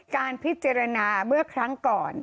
การพิจารณาเมื่อครั้งก่อน